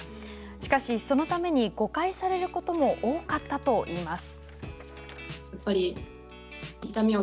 しかし、そのために誤解されることも多かったといいます。